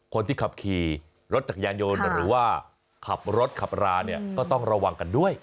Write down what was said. คนที่ขับขี่รถจักรยานยนต์หรือว่าขับรถขับราเนี่ยก็ต้องระวังกันด้วย